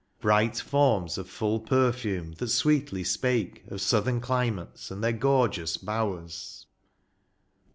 Bright forms of full perfume, that sweetly spake Of southern climates and their gorgeous bowers.